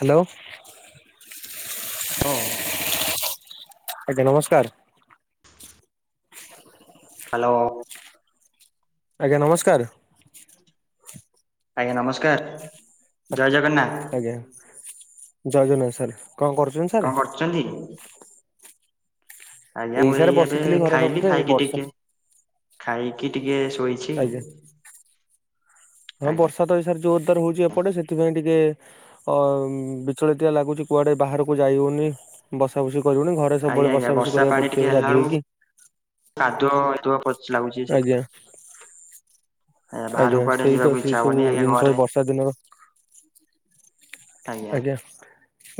Hello. ତ ଆଜ୍ଞା ନମସ୍କାର। ହ୍ୟାଲୋ। ଆଜ୍ଞା ନମସ୍କାର। ଆଜ୍ଞା ନମସ୍କାର ଜୟ ଜଗନ୍ନାଥ। ଆଜ୍ଞା ଜୟଜନାଥ ସାର୍ କଣ କରୁଛନ୍ତି? ସାର୍ କଁ କରୁଛନ୍ତି? ଆଜ୍ଞା ମୁଁ ଏଇ ସାର୍ ଏବେ ବସିଥିଲି ଘର ଖାଇଲି ପାଖରେ ଏଇ ଖାଇକି ବର୍ଷା ଟିକେ ଖାଇକି ଟିକେ ଶୋଇ ଆଜ୍ଞା। ହଁ ଆଜ୍ଞା ବର୍ଷା ତ ଏଇସାରା ଯୋରଦ୍ଦାର ହଉଛି ଏପଟେ ସେଥିପାଇଁ ଟିକେ ଅ ବିଚଳତିଆ ଲାଗୁଛି କୁଆଡେ ବାହାରକୁ ଯାଇ ହଉନି ବସା ବସି କରିବୁନି ଘ ରେ ଆଜ୍ଞା ସବୁବେଳେ ଆଜ୍ଞା ବସା ବସି ବର୍ଷା କରିବାକୁ ପାଣି ଟିକେ ପଡୁଛି ହେଲା ବେଳକୁ ବାଧହେଇକି। କାଦୁଅ ହେତଥିବ ପଚ ଲାଗୁଛି ଆଜ୍ଞା ସେଥିପାଇଁ। ଆ ବାହାର ଆଜ୍ଞା କୁଆଡେ ସେଇ ତ ଯିବାକୁ ସେଇ ଇଛା ସବୁ ହବନି ଆଜ୍ଞା ଜିନିଷ ଏଇ ଘରେ ବର୍ଷା ଦିନର ଆଜ୍ଞା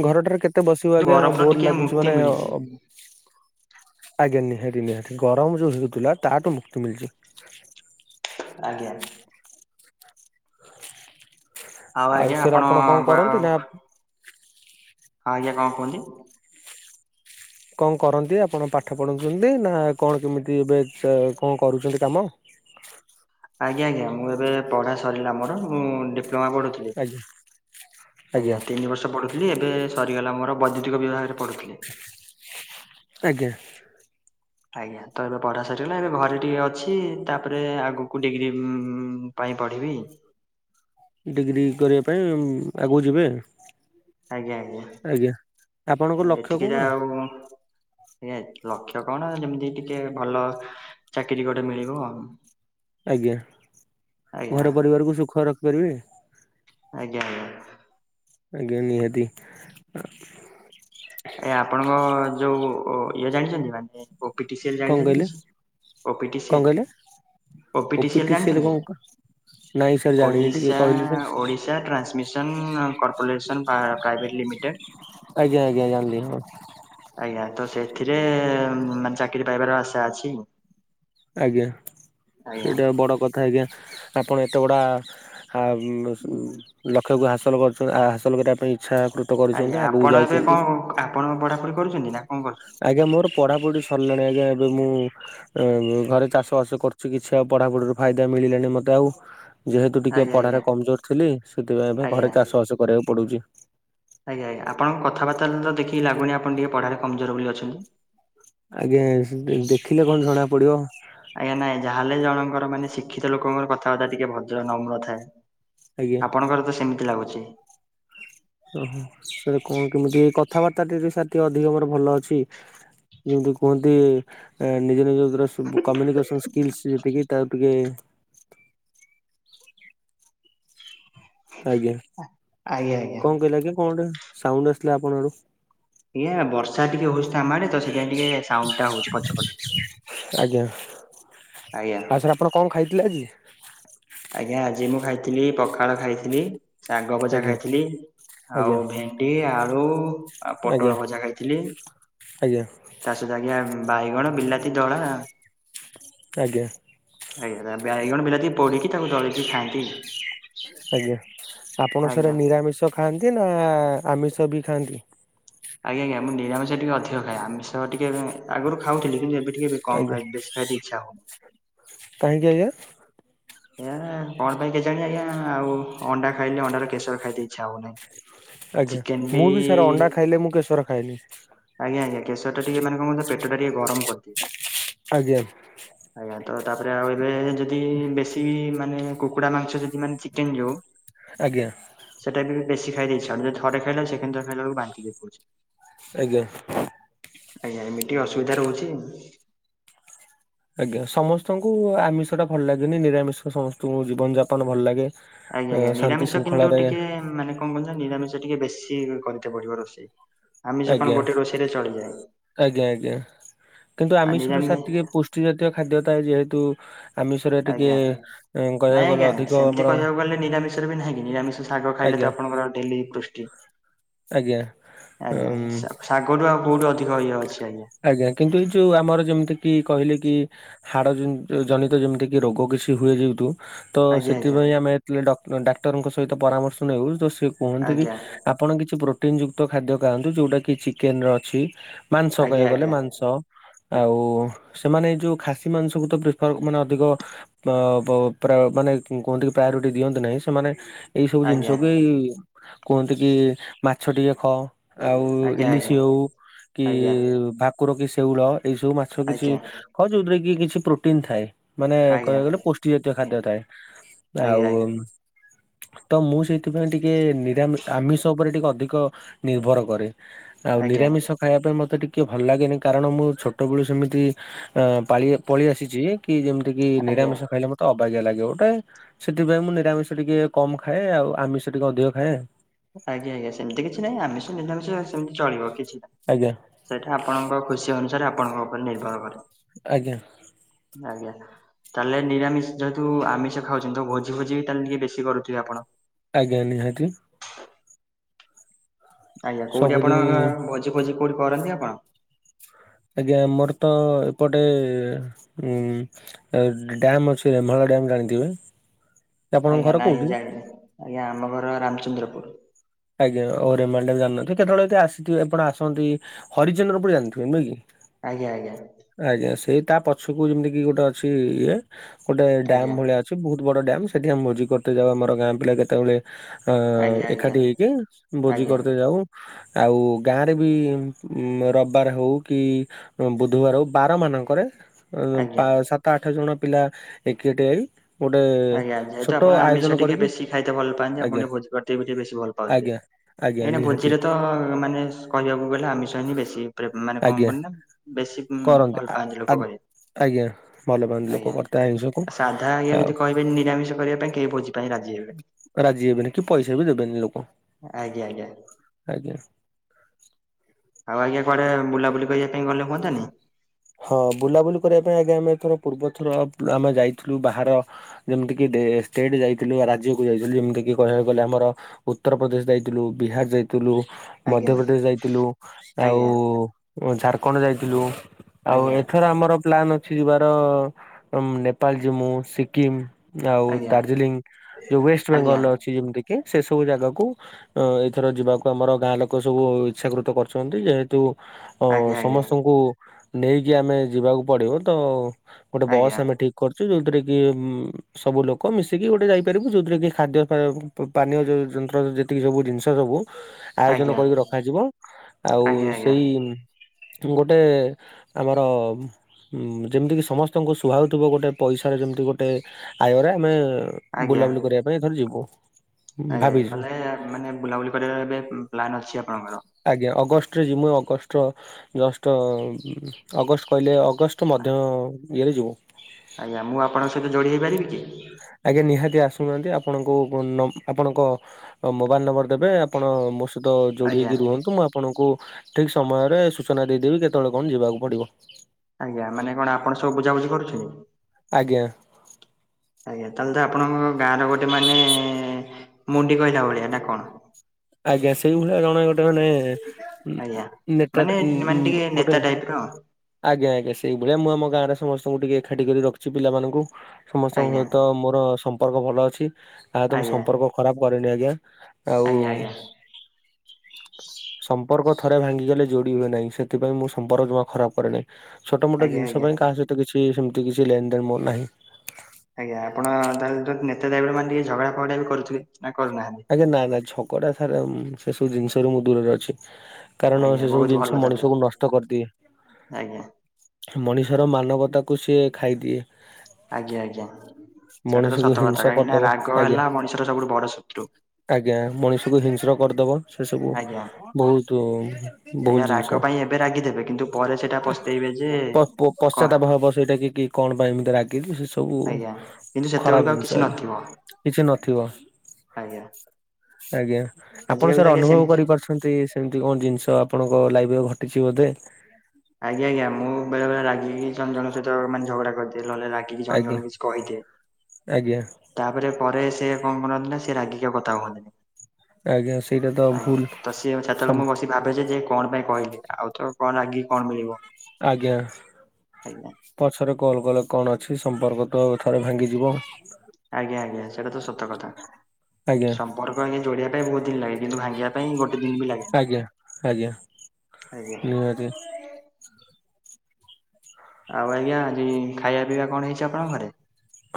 ଘରଟାରେ କେତେ ବସିବ ଆଜ୍ଞା ଗରମରୁ ବୋର ଟିକେ ଲାଗୁଛି ମୁକ୍ତି ମାନେ ମିଳିଛି ଆଜ୍ଞା ନିହାତି ନିହାତି ଗରମ ଯୋଉ ହେଉଥିଲା ତାଠୁ ମୁକ୍ତି ମିଳଛି। ଆଜ୍ଞା। ଆଉ ସାର୍ ଆପଣ କଁ କରନ୍ତି ନା ହଁ ଆଜ୍ଞା କଣ କୁହନ୍ତି? କଣ କରନ୍ତି ଆପଣ ପାଠ ପଢ଼ଉଛନ୍ତି ନା କଣ କେମିତି ଏବେ କଣ କରୁଛନ୍ତି କାମ? ଆଜ୍ଞା, ଆଜ୍ଞା ମୁ ଏବେ ପଢ଼ା ସରିଲା ମୋର ମୁଁ ଡିପ୍ ଡିପ୍ଲମା ପଢ଼ୁଥିଲି ଆଜ୍ଞା ଆଜ୍ଞା ତିନି ବର୍ଷ ପଢୁ ଥିଲି ଏବେ ସରିଗଲା ମୋର ବୈଦ୍ୟୁତିକ ବିଭାଗରେ ପଢୁଥିଲି। ଆଜ୍ଞା। ଆଜ୍ଞା ତ ଏବେ ପଢା ସାରିଗଲା ଏବେ ଘରେ ଟିକେ ଅଛି ତାପରେ ଆଗକୁ ଡିଗ୍ରୀ ପାଇଁ ପଢ଼ିବି। ଡିଗ୍ରୀ କରିବା ପାଇଁ ଆଗକୁ ଯିବେ। ଆଜ୍ଞା, ଆପଣଙ୍କ ଆଜ୍ଞା ଲକ୍ଷ୍ୟ କଣ ଏତିକିରେ ଆଉ ଆଜ୍ଞା, ଲକ୍ଷ୍ୟ କଣ ଯେମିତି ଟିକେ ଭଲ ଚାକିରି ଗୋଟେ ମିଳିବ ଆଉ। ଆଜ୍ଞା, ଆଜ୍ଞା ଘର ପରିବାରକୁ ସୁଖରେ ରଖିପାରିବି। ଆଜ୍ଞା, ଆଜ୍ଞା। ଆଜ୍ଞା ନିହାତି, ଆ ଏ ଆପଣଙ୍କ ଯୋଉ ଇଏ ଜାଣିଛନ୍ତି, ମାନେ ଓପିଟିସିଏଲ କଣ ଜାଣିଛନ୍ତି କହିଲେ କିଛିି କଣ ଓପିଟିସିଏଲ। କହିଲେ ଓପିଟିସିଏଲ ଓପିଟି ସିଏଲ ଜାଣିଛନ୍ତି, କଣ ନାଇଁ ସାର୍ ଜାଣିନି ଟିକେ ଓଡିଶା କହିଲେ ତ ଓଡି ଓଡ଼ିଶା ଟ୍ରାନ୍ସମିଶନ୍ କର୍ପୋରେସନ୍ ପ୍ରା ପ୍ରାଇଭେଟ ଲିମିଟେଡ୍। ଆଜ୍ଞା, ଆଜ୍ଞା, ଜାଣିଲି [unintelligible] ଆଜ୍ଞା ତ ସେଥିରେ ମାନେ ଚାକିରି ପାଇବାର ଆଶା ଅଛି। ଆଜ୍ଞା, ଆଜ୍ଞା ସେଇଟା ବଡ଼ କଥା ଆଜ୍ଞା ଆପଣ ଏତେ ଗଡ଼ା ହାମ୍ ଲକ୍ଷ୍ୟକୁ ହାସଲ କରୁଥିବା ହାସଲ କରିବା ପାଇଁ ଇଚ୍ଛା [unintelligible] ଆଜ୍ଞା କରିଛନ୍ତି ଆଗକୁ ଆପଣ ଏବେ କଣ ଯାଉଛନ୍ତି। ଆପଣ ପଢାପଢ଼ି କରୁଛନ୍ତି ନା କଣ କରୁ ଆଜ୍ଞା ମୋର ପଢ଼ାପଢି ସରିଲାଣି ଆଜ୍ଞା ଏବେ ମୁଁ ଉଁ ଘରେ ଚାଷ ବାସ କରୁଛି କିଛି ଆଉ ପଢାପଢିରୁ ଫାଇଦା ମିଳିଲାଣି ମତେ ଆଉ। ଯେହେତୁ ଟିକେ ଆଜ୍ଞା ଆଜ୍ଞା ପଢାରେ କମ୍ ଜୋର ଥିଲି, ସେଥିପାଇଁ ଏବେ ଆଜ୍ଞା ଘରେ ଚାଷବାସ କରିବାକୁ ପଡୁଛି। ଆଜ୍ଞା, ଆଜ୍ଞା ଆପଣ ଙ୍କ କଥା ବାର୍ତ୍ତାରୁ ତ ଦେଖିକି ଲାଗୁନି ଆପଣ ଟିକେ ପଢ଼ାରେ କମ୍ ଜୋର ବୋଲି ଅଛନ୍ତି। ଆଜ୍ଞା, ସେ ଦେଖିଲେ କଣ ଜଣା ପଡିବ। ଆଜ୍ଞା ନାଇଁ ଯାହେଲେ ବି ଜଣଙ୍କର ମାନେ ଶିକ୍ଷିତ ଲୋକଙ୍କର କଥାବାର୍ତ୍ତା ଟିକେ ଭଦ୍ର ନମ୍ର ଥାଏ। ଆଜ୍ଞା ଆପଣଙ୍କର ତ ସେମିତି ଲାଗୁଛି। ଓହୋ, ସାର୍ କଣ କେମିତି କଥାବାର୍ତ୍ତା ବି ସାର୍ ଟିକେ ଅଧିକ ମୋର ଭଲ ଅଛି। ଯେମିତି କୁହନ୍ତି ନିଜ ନିଜଭିତରେ ସୁ କମ୍ୟୁନିକେସନ୍ ସ୍କିଲ୍ସ୍ ଯେତିକି ତାକୁ ଟିକେ ଆଜ୍ଞା, ଆଜ୍ଞା ଆଜ୍ଞା କଣ କହିଲା ଆଜ୍ଞା କଣ ଗୋଟେ ସାଉଣ୍ଡ ଆସିଲା ଆପଣ ଆଡୁ। ଆଜ୍ଞା ବର୍ଷା ଟିକେ ହଉଛି ତ ଆମଆଡେ ତ ସେଥିାଇଁ ଟିକେ ସାଉଣ୍ଡ ଟା ହଉଛି ପଛ ପଛ। ଆଜ୍ଞା। ଆଜ୍ଞା। ଆଉ ସାର୍ ଆପଣ କଣ ଖାଇଥିଲେ ଆଜି? ଆଜ୍ଞା, ଆଜି ମୁଁ ଖାଇଥିଲି ପଖାଳ ଖାଇଥିଲି, ଶାଗ ଭଜା ଆଜ୍ଞା ଖାଇଥିଲି, ଆଜ୍ଞା ଆଉ ଭେ ଡି ଆଳୁ, ଆଉ ଆଜ୍ଞା ପୋଟଳ ଭଜା ଖାଇଥିଲି। ଆଜ୍ଞା। ତା ସହିତ ଆଜ୍ଞା ବାଇଗଣ ବିଲାତି ଦଳା। ଆଜ୍ଞା। ଆଜ୍ଞା, ବାଇଗଣ ବିଲାତି ପୋଡିକି ତାକୁ ଦଳିକି ଖାଆନ୍ତି। ଆଜ୍ଞା, ଆପଣ ସାର୍ ଆଜ୍ଞା। ନିରାମିଷ ଖାଆନ୍ତି ନା ଆମିଷ ବି ଖାଆନ୍ତି? ଆଜ୍ଞା, ଆଜ୍ଞ ମୁ ନିରାମିଷା ଟିକେ ଅଧିକ ଖାଏ, ଆମିଷ ଟିକେ ଆଗରୁ ଖାଉଥିଲି କିନ୍ତୁ ଏବେ ଟିକେ ବି କମ ଆଜ୍ଞା ଖାଇ ବେଶି। ଭାରି ଇଚ୍ଛା ହଉ [unintelligible] କାହିଁକି ଆଜ୍ଞା? ଏୟା କଣ ପାଇଁ କେଜାଣି ଆଜ୍ଞା ଆଉ ଅଣ୍ଡା ଖାଇଲେ ଅଣ୍ଡାର କେଶର ଖାଇତେ ଇଚ୍ଛା ହଉନାହିଁ। ଆଜ୍ଞା ମୁଁ ବି ସାରେ ଅଣ୍ଡା ଖାଇଲେ ମୁଁ କେଶର ଖାଏନି। ଆଜ୍ଞା ଆଜ୍ଞା କେଶର ଟିକେ ମାନେ କଣ କି ପେଟ ଟା ଟିକେ ଗରମ୍ କରିଦେ ଆଜ୍ଞା। ଆଜ୍ଞା ତ ତାପରେ ଆଉ ଏବେ ଯଦି ବେଶୀ ତି ମାନେ କୁକୁଡା ମାଂସ ଯଦି ମାନେ ଚିକେନ୍ ଯୋଉ ଆଜ୍ଞା। ସେଟା ବି ବେଶୀ ଖାଇତେ ଇଛା ହଉନି ଯଦି ଥରେ ଖାଇଲେ ସେକେଣ୍ଡେ ଥର ଖାଇଲାବାବେକୁ ବାନ୍ତିି ଦେଇ ପଡୁଛି। ଆଜ୍ଞା। ଆଜ୍ଞା ଏମିତି ଅସୁବିଧା ରହୁଛି। ଆଜ୍ଞା ସମସ୍ତଙ୍କୁ ଆମିଷ ଟା ଭଲ ଲାଗେନି ନିରାମିଷ ସମସ୍ତଙ୍କୁ ଜୀବନ ଯାପନ ଭଲ ଲାଗେ। ଆଜ୍ଞା ଆଜ୍ଞା ଶାନ୍ତି ନିରାମିଷ କିନ୍ତୁ ଶୃଙ୍ଖଳାରେ ଟିକେ ମାନେ କଣ କହୁଛ ନିରାମିଷ ଟିକେ ବେଶୀ କରିତେ ପଡିବ ରୋଷେଇ। ଆମିଷ କଣ ଆଜ୍ଞା ଗୋଟେ ରୋଷେଇରେ ଚଳିଯାଏ ଆଜ୍ଞା ଆଜ୍ଞା କିନ୍ତୁ ଆଉ ଆମିଷ ଟା ନିରାମି ସାର୍ ଟିକେ ପୃ ପୃଷ୍ଠି ଜାତୀୟ ଖଦ୍ୟ ଥାଏ ଯେହେତୁ ଆମିଷରେ ଆଜ୍ଞା। ଟିକେ ନାଇଁ କହିବାକୁ ଗଲେ ଆଜ୍ଞା ଅଧିକ ସେମିତି ଆମର କହିବାକୁ ଗଲେ ନିରାମିଷରେ ବି ନାହିଁ କି ନିରାମିଷ ଶାଗ ଖାଇଲେ ଆଜ୍ଞା ତ ଆପଣଙ୍କର ଡେଲି ପୃଷ୍ଟି ଆଜ୍ଞା ଆଜ୍ଞା ଉଁ ଶାଗରୁୁ ଆଉ କୋଉଠି ଅଧିକ ଇଏ ଅଛି ଆଜ୍ଞା। ଆଜ୍ଞା କିନ୍ତୁ ଏଇ ଯୋଉ ଆମର ଯେମିତି କି କହିଲେ କି ହାଡ ଜନି ଜନିତ ଯେମିତି କି ରୋଗ କିଛି ହୁଏ ଯେହେତୁ ତ ଆଜ୍ଞା ସେଥିପାଇଁ ଆମେ ଡକ୍ଟ ଡାକ୍ଟରଙ୍କ ସହିତ ପରାମର୍ଶ ନେଉ ତ ସେ କୁହନ୍ତି କି ଆଜ୍ଞା ଆପଣ କିଛି ପ୍ରୋଟିନ୍ ଯୁକ୍ତ ଖାଦ୍ୟ ଖାଆନ୍ତୁ ଯୋଉଟା କି ଚିକେନ୍ ର ଅଛି ମାନ୍ କହିବାକୁ ଗଲେ ଆଜ୍ଞା। ମାଂସ ଆଉ ସେମାନେ ଏଇ ଯୋଉ ଖାସି ମାଂସକୁ ତ ପ୍ରିଫର ମାନେ ଅଧିକ ଅ କ ପ୍ରା ମାନେ କୁହନ୍ତି ପ୍ରାୟୋରିଟି ଦିଅନ୍ତି ନାହିଁ ସେମାନେ ଏଇ ସବୁ ଆଜ୍ଞା ଜିନିଷକୁ ଏଇ କୁହନ୍ତି କି ମାଛ ଟିକେ ଖଅ ଆଉ ଆଜ୍ଞା ଆଜ୍ଞା ଇଲିଶି ହଉ କି ଆଜ୍ଞା ଆଜ୍ଞା ଆଜ୍ଞା ଆଜ୍ଞା ଭାକୁର କି ସେଉଳ ଏଇ ସବୁ ମା ଛ କିଛି ଆଜ୍ଞା। ହ ଯୋଉଥିରେ କି କିଛି ପ୍ରୋଟିନ୍ ଥାଏ। ମାନେ କହିବାକୁ ଗଲେ ପୋଷ୍ଟି ଜାତୀୟ ଖାଦ୍ୟ ଥାଏ ଆଜ୍ଞା ଆଉ ଆଜ୍ଞା ତ ମୁଁ ସେଇଥିପାଇଁ ଟିକେ ନିରାମି ଆମିଷ ଉପରେ ଟିକେ ଅଧିକ ନିର୍ଭର କରେ ଆଉ ଆଜ୍ଞା ନିରାମିଷ ଖାଇବା ପାଇଁ ମତେ ଟି କିଏ ଭଲ ଲାଗେନି କାରଣ ମୁଁ ଛୋଟବେେଳୁ ସେମିତି ପାଳି ପଳି ଆସିଛି କି ଯେମିତି କି ଆଜ୍ଞା ଆଜ୍ଞା ନିରାମିଷ ଖାଇଲେ ମୋ ତ ଅବାଗିଆ ଲାଗେ ଗୋଟେ ସେଥିପାଇଁ ମୁଁ ନିରାମିଷ ଟିକେ କମ୍ ଖାଏ ଆଉ ଆମିଷ ଟିକେ ଅଧିକ ଖାଏ। ଆଜ୍ଞା ଆଜ୍ଞା ସେମିତି କିଛି ନାଇଁ ଆମିଷ ନିରାମିଷ ସେମିତି ଚଳିବ କିଛି ନାହିଁ। ଆଜ୍ଞା। ସେଇଟା ଆପଣଙ୍କ ଖୁସି ଅନୁସାରେ ଆପଣଙ୍କ ଉପରେ ନିର୍ଭର କରେ। ଆଜ୍ଞା। ଆଜ୍ଞା। ତାହେଲେ ନିରାମିଷି ଯେହେତୁ ଆମିଷ ଖାଉଛନ୍ତି ତ ଭୋଜି ଫୋଜି ତାହେଲେ ଟିକେ ବେଶୀ କରୁଥିବେ ଆପଣ? ଆଜ୍ଞା ନିହାତି। [unintelligible] ଆଜ୍ଞା କୋଉଠି ଆପଣ ସବୁଦିନ ଭୋଜି ଫୋଜି କୋଉଠି କରନ୍ତି ଆପଣ? ଆଜ୍ଞା ଆମର ତ ଏପଟେ ଉଁ ଡ୍ୟାମ୍ ଅଛି ଭୋଳା ଡ୍ୟାମ୍ ଜାଣିଥିବେ? ଆପଣଙ୍କ ଆଜ୍ଞା ଘର ନାଇଁ କୋଉଠି? ଯାଇନି, ଆଜ୍ଞା ଆମ ଘର ରାମଚନ୍ଦ୍ରପୁର। ଆଜ୍ଞା ରେମାଟା ବି ଜାନିନଥିବେ, କେତେବେଳେ ଏ ଆସିଥିବ ଆପଣ ଆସନ୍ତି ହରିଚନ୍ଦ୍ର ପୁର ଜାଣିଥିବେ ନୁହେଁ କି? ଆଜ୍ଞା, ଆଜ୍ଞା। ଆଜ୍ଞା। ସେଇ ତା ପଛକୁ ଯେମିତି କିି ଗୋଟେ ଅଛି ଇଏ ଗୋଟେ ଡ୍ୟମ୍ ଆଜ୍ଞା ଭଳିଆ ସେ ବହୁତ ବଡ ଡ୍ୟାମ ସେଠି ଆମ ଭୋଜି କରିତ ଯାଉ ଆମର ଗାଁ ପିଲା କେତେବେଳେ ଅ ଆଜ୍ଞା ଆଜ୍ଞା ଏକାଠି ହେଇକି ଭୋଜି ଆଜ୍ଞା କରିଦେ ଯାଉ। ଆଉ ଗାଁରେ ବି ରବିବାର ହଉ କି ଦୁଆରୁ ବାର ମାନଙ୍କରେ ଆଜ୍ଞା। ସାତ ଆଠ ଜଣ ପିଲା ଏକିଠି ହେଇ ଗୋଟେ ଆଜ୍ଞା, ଆଜ୍ଞା ଜେହେତ ଛୋଟ ଆପଣ ଆୟୋଜନ ଆମିଷ ଟିକେ କରିକି ବେଶୀ ଖାଇତେ ଭଲ ପାଆନ୍ତି ଆପଣ ଆଜ୍ଞା ଟିକ ଭଜ ଟିକେ ବେଶୀ ଭଲ ପାଉଥିବେ ଆଜ୍ଞା ଆଜ୍ଞା ଏଇନା ନିହାତି ଭୋଜିରେ ତ ମାନେ କହିବାକୁ ଗଲେ ଆମିଷ ହୁଏନି ବେଶୀ ମାନେ କଣ ଆଜ୍ଞା କ ନା ବେଶୀ କରନ୍ତି ଭଲ ଆ- ପାଆନ୍ତି ଆ- ଲୋକ [unintelligible] ଆଜ୍ଞା, ଭଲ ପାଆନ୍ତି ଲୋକ [unintelligible] ଆଇଁଷକୁ ଆଉ, କହ ନିରାମିଷ କରିବା ପାଇଁ କେହି ଭୋଜି ପାଇଁ ରାଜି ହେବେନି। ରାଜି ହେବେନି କି ପଇସା ବି ଦେବେନି ଲୋକ, ଆଜ୍ଞା ଆଜ୍ଞା ଆଜ୍ଞା। ଆଉ ଆଜ୍ଞା କୁଆଡେ ବୁଲାୁ ବୁଲି କରିବା ପାଇଁ ଗଲେ ହୁଅନ୍ତାନି? ହଁ ବୁଲାବୁଲି କରିବା ପାଇଁ ଆଗେ ଆମେ ଥର ପୂର୍ବ ଥର ଆମେ ଯାଇଥିଲୁ ବାହାର ଯେମିତି କିି ଷ୍ଟେଟ ଯାଇଥିଲୁ ବା ରାଜ୍ୟକୁ ଯାଇଥିଲୁ ଯେମିତି କିି କହିବାକୁ ଗଲେ ଆମର ଉତ୍ତରପ୍ରଦେଶ ଯାଇଥିଲୁ, ବିହାର ଯାଇଥିଲୁ, ଥିଲୁ। ଆଜ୍ଞା ମଧ୍ୟପ୍ରଦେଶ ଯାଇଥିଲୁ, ଆଉ ଆଜ୍ଞା ଝାରଖଣ୍ଡ ଯାଇଥିଲୁ, ଆଉ ଆଜ୍ଞା ଏଥର ଆମର ପ୍ଲାନ ଅଛି ଯିବାର ନେପାଳ ଯିମୁ, ସିକିମ୍ ଆଉ ଆଜ୍ଞା ଦାର୍ଜିଲିଂ ଯୋଉ ୱେଷ୍ଟ ଆଜ୍ଞା ବେଙ୍ଗଲ ଅଛି ଯେମିତି କି ସେ ସବୁ ଜାଗାକୁ ଅ ଏଇଥର ଯିବାକୁ ଆମର ଗାଁ ଲୋକ ସବୁ ଇଚ୍ଛାକୃତ କରୁଛନ୍ତି। ଯେହେତୁ ଅ ଆଜ୍ଞା ଆଜ୍ଞା ସମସ୍ତଙ୍କୁ ନେଇକି ଆମେ ଯିବାକୁ ପଡିବ ତ ଗୋଟେ ବସ୍ ଆଜ୍ଞା ଆମେ ଠିକ କରିୁଛୁ ଯୋଉଥିରେ କି? ସବୁ ଲୋକ ମିଶିକି ଗୋଟେ ଯାଇପାରିବୁ ଯୋଉଥିରେ କି ଖାଦ୍ୟ ପାନୀୟ ଯୋଉ ଯନ୍ତ୍ର [unintelligible] ଯବୁ ଜିନିଷ ଯବୁ ଆୟୋଜନ ଆଜ୍ଞା କରିକି ରଖାଯିବ, ଆଉ ଆଜ୍ଞା ଆଜ୍ଞା ସେଇ ଗୋଟେ ଆମର ଯେମିତିକି ସମସ୍ତଙ୍କୁ ସୁହାଉଥିବ ଗୋଟେ ପଇସାରେ ଯେମିତି ଗୋଟେ ଆୟରେ ଆମେ ଆଜ୍ଞା ବୁଲାବୁଲି କରିବା ପାଇଁ ଏଥର ଯିବୁ। ଆଜ୍ଞା। ଭାବିଛୁ ତାହେଲେ ମାନେ ବୁଲାବୁଲି କରିବାର ଏବେ ପ୍ଲନ୍ ଅଛି ଆପଣଙ୍କର? ଆଜ୍ଞା ଅଗଷ୍ଟରେ ଜିମୁ। ମୁୁ ଅଗଷ୍ଟର ଜଷ୍ଟ ଅଗଷ୍ଟ କହିଲେ ଅଗଷ୍ଟ ମଧ୍ୟ ଇଏରେ ଯିବୁ। ଆଜ୍ଞା ମୁଁ ଆପଣଙ୍କ ସହିତ ଯୋଡ଼ି ହୋଇପାରିବି କି? ଆଜ୍ଞା ନିହାତି ଆସୁନାହାନ୍ତି ଆପଣଙ୍କୁ ନ ଆପଣଙ୍କ ମୋବାଇଲ ନମ୍ବର ଦେବେ, ଆପଣ ମୋ ସହି ଯୋଡ଼ି ଆଜ୍ଞା ହେଇକି ରୁହନ୍ତୁ। ମୁଁ ଆପଣଙ୍କୁ ଠିକ ସମୟରେ ସୂଚନା ଦେଇଦେବି କେତେବେଳେ କଣ ଯିବାକୁ ପଡିବ। ଆଜ୍ଞା ମାନେ କଣ ଆପଣ ସବୁ ବୁଝାବୁଝି କରୁଛନ୍ତି। ଆଜ୍ଞା। ଆଜ୍ଞା ତାହେଲେ ତ ଆପଣଙ୍କ ଗାଁ ର ଗୋଟେ ମାନେ ମୁଣ୍ଡି କହିଲା ଭଳିଆ ନାଁ କଣ? ଆଜ୍ଞା ସେଇ ଭଳିଆ ଜଣେ ଗୋଟେ ମାନେ ଆଜ୍ଞା ମାନେ ମାନେ ଟିକେ [unintelligible] ଗୋଟେ ନେତା ଟାଇପର। ଆଜ୍ଞା, ଆଜ୍ଞା। ସେଇଭଳିଆ ମୁଁ ଆମ ଗାଁରେ ସମସ୍ତଙ୍କୁ ଟିକେ ଏକାଠି କରି ରଖିଛି ପିଲାମାନଙ୍କୁ। ସମସ୍ତଙ୍କ ଆଜ୍ଞା ସହିତ ମୋର ସମ୍ପର୍କ ଭଲ ଅଛି। ଆ ତ ମୁ ଆଜ୍ଞା ସମ୍ପର୍କ ଖରାପ କରିରେନି ଆଜ୍ଞା, ଆଉ ଆଜ୍ଞା ଆଜ୍ଞା ଆଜ୍ଞା ସମ୍ପର୍କ ଥରେ ଭାଙ୍ଗିଗଲେ ଯୋଡି ହୁଏ ନାହିଁ। ସେଥିପାଇଁ ମୁଁ ସମ୍ପର୍କ ଜମା ଖରାପ କରେନାଇଁ। ଛୋଟ ମୋଟ ଜିନିଷ ଆଜ୍ଞା ପାଇଁ କାହା ସହିତ କିଛି ସେମିତି କିଛି ଲେନ ଦେନ ମୋ ନାହିଁ। ଆଜ୍ଞା ଆପଣ ତାହେଲେ ନେତା ଦାଇବର ମାନେ ଟିକେ ଝଗଡା ଫଗଡା ବି କରୁଥୁବେ ନା କରୁନାହାନ୍ତି? ଆଜ୍ଞା ନା ନା ଝଗଡା ସାର ଆଉ ସେ ସବୁ ଜିନିଷ ରୁ ମୁଁ ଦୂରରେ ଅଛି। କାରଣ ଆଜ୍ଞା ସେ ସବୁ ବହୁତ ଜିନିଷ ଭଲ ତାହେଲେ ମଣିଷକୁ ନଷ୍ଟ କରଦିଏ। ଆଜ୍ଞା ମଣିଷର ମାନବତାକୁ ସିଏ ଖାଇଦିଏ। ଆଜ୍ଞା ଆଜ୍ଞା ସେଇଟା ତ ମଣିଷକୁ ସତ ହିଂସ କଥା। କାହିଁକି ନା କରିଦବ ରାଗ ଆଜ୍ଞା ହେଲା ମଣିଷର ସବୁଠୁ ବଡ ଶତ୍ରୁ। ଆଜ୍ଞା ମଣିଷକୁ ହିଂସ୍ର କରଦବ। ସେ ସବୁ ଆଜ୍ଞା। ବହୁତ ଆଜ୍ଞା ଭୁଲ ରାଗ ଜିନଷ। ପାଇଁ ଏବେ ରାଗିଦେବେ କିନ୍ତୁ ପରେ ସେଇଟା ପସ୍ତେଇବେ ଯେ ପପୋ କଣ ପଶ୍ଚତାପ ଭାବ ସେଇଟା କି କି କଣ ପାଇଁ ଏମିତି ରାଗିଲି ସେ ସବୁ। ଆଜ୍ଞା। କିନ୍ତୁ ଖରାପ ସେତୋଳୁକୁ ଆଉ ଜିନିଷ କିଛି ଆଜ୍ଞା ନଥିବ। କିଛି ନଥିବ ଆଜ୍ଞା ଆଜ୍ଞା ଆପଣ ଆଜିକାଲି ତ ସାର୍ ଆଜ୍ଞା ଅନୁଭବ ସେମିତି କରିପାରୁଛ ନ୍ତି। ସେମିତି କଣ ଜିନିଷ ଆପଣଙ୍କ ଲାଇଫ ଘଟିଛି ବୋଧେ। ଆଜ୍ଞା ଆଜ୍ଞା ମୁଁ ବେଳେବେଳେ ରାଗିକି ଜଣ ଜଣେ ସଇତ ମାନେ ଝଗଡା କରଦିଏ। ନହେଲେ ରାଗ ଗିକି ଜଣ ଆଜ୍ଞା ଜଣଙ୍କୁ କିଛି କହିଦିଏ। ଆଜ୍ଞା ତାପରେ ପରେ ସେ କଣ କରନ୍ତି ସେ ରାଗିକି ଆଉ କଥା କୁହନ୍ତିନି। ଆଜ୍ଞା ସେଇଟା ତ ଆଜ୍ଞା ଭୁଲ ତ ସିଏ ଛଟାନୋ ସମ୍ ମୁଁ ବସି ଭାଜେ ଯେ କଣ ପାଇଁ କହିଲି। ଆଉ ତ କଣ ରାଗିକି କଣ ମିଳିବ। ଆଜ୍ଞା ଆଜ୍ଞା ପଛରେ କଲ୍ କଲେ କଣ ଅଛି ସମ୍ପର୍କ ତ ଥରେ ଭାଙ୍ଗିଯିବ। ଆଜ୍ଞା ଆଜ୍ଞା ସେଇଟା ତ ସତ କଥା। ଆଜ୍ଞା ସମ୍ପର୍କ ଆଜ୍ଞା ଯୋଡିବା ପାଇଁ ବହୁତ ଦିନ ଲାଗେ କିନ୍ତୁ ଭାଙ୍ଗିବା ପାଇଁ ଗୋଟେ ଦିନ ବି ଲାଗେ। ଆଜ୍ଞା ଆଜ୍ଞା ଆଜ୍ଞା। ନିହାତି ଆଉ ଆଜ୍ଞା ଆଜି ଖାଇବା ପିଇବା କଣ ହେଇଚି ଆପଣଙ୍କ ଘରେ?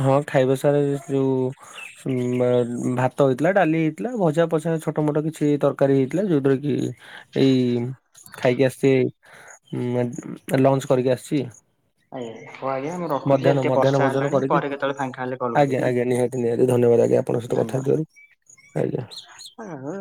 ହଁ ଖାଇବା ସାର ଯୋଉ ଉ ବେ ଭାତ ହେଇଥିଲା, ଡାଲି ହେଇଥିଲା, ଭଜା ପଜା ଛୋଟ ମୋଟ କିଛି ତରକାରୀ ହେଇଥିଲା। ଯୋଉଥିରେ କି ଏଇ ଖାଇକି ଆସଚି ମେଣ୍ଟ ଲଞ୍ଚ କରିକି ଆସଚି। ଆଜ୍ଞା। ହୋଉ ଆଜ୍ଞା ମୁଁ ରଖୁଚି ଆଜି ଟିକେ ବର୍ଷ ଭୋଜନ ହେଲାଣି। କରିକି ପରେ କେତୋଳେ ଫାଙ୍କା ହେଲେ କଲ୍ ଆଜ୍ଞା କରିବି ଆଜ୍ଞା ନିହାତି ନିହାତି ଧନ୍ୟବାଦ ଆଜ୍ଞା ଆପଣଙ୍କ ସହିତ କଥା ହେଇଥିବାରୁ ଆଜ୍ଞା। ଆଉ